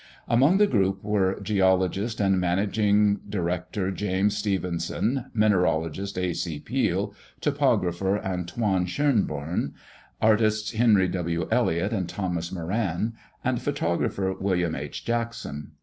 Among the group were geologist and managing director James Stevenson, mineralogist A. C. Peale, topographer Antoine Schoenborn, artists Henry W. Elliott and Thomas Moran, and photographer William H. Jackson.